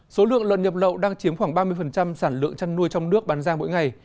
số lượng lợn nhập lậu đang chiếm khoảng ba mươi sản lượng chăn nuôi trong nước bán ra mỗi ngày